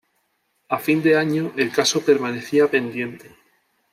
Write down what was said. A fin de año, el caso permanecía pendiente.